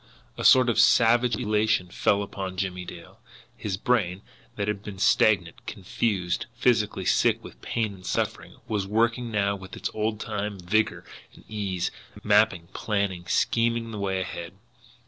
A sort of savage elation fell upon Jimmie Dale. His brain, that had been stagnant, confused, physically sick with pain and suffering, was working now with its old time vigour and ease, mapping, planning, scheming the way ahead.